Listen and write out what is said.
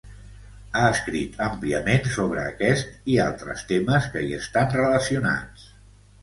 Ha escrit àmpliament sobre aquest i altres temes que hi estan relacionats.